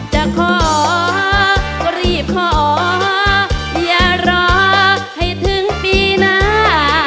จะขอก็รีบขออย่ารอให้ถึงปีหน้า